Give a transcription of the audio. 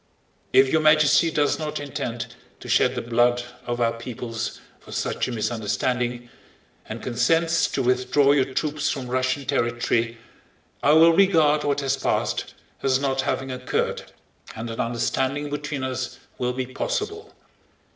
If Your Majesty does not intend to shed the blood of our peoples for such a misunderstanding, and consents to withdraw your troops from Russian territory, I will regard what has passed as not having occurred and an understanding between us will be possible.